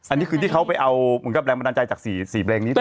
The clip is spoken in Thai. อันนี้คือที่เขาไปเอามึงก็แปลกมาตั้งใจจาก๔เพลงนี้